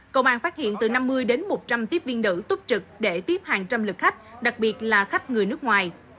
công an phát hiện từ năm mươi đến một trăm linh tiếp viên nữ túc trực để tiếp hàng trăm lực khách đặc biệt là khách người nước ngoài